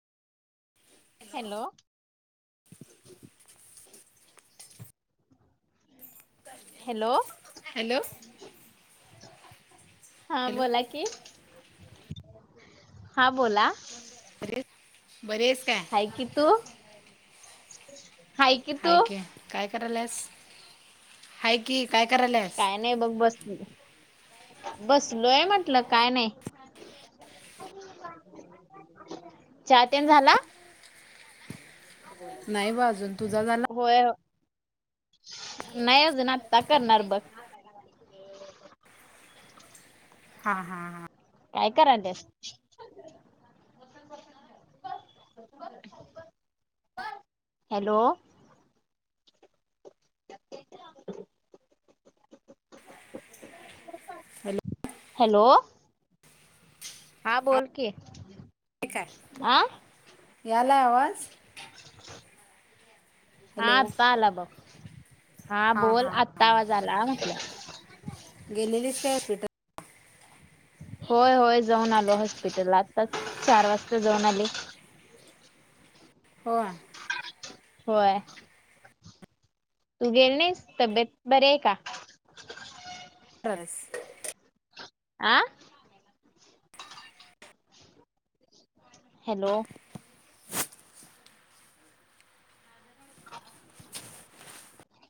Hello! Hello! Hello! हा hello बोला की हा बोला. अरेस बर आहेस काय. काय की तू. हाय की काय करायलास हाय कि काय करायलास. काय नाही बघ बस बसलोय म्हटलं काय नाही. [inaudible] ातन झाला. नाही बा अजून तुझा झाला [inaudible] होय नाहीज नाता करणार बघ. हा हा हा. काय करा तेस. हॅलो! हॅलो. हॅलो. हा बोलकी. यालाय आवाज? हा हॅलो आत्ता आला बघ हा हां बोल हां आत्ता आवाज आला म्हटलं. गेलेलीस काय हॉस्पिटल होय होय जाऊन आलो हॉस्पिटलला आत्ताच चार वाजता जाऊन आले. व्हय. व्हय. तू गेली नाहीस तब्येत बरे आहे का? त्रास. आं. हॅलो.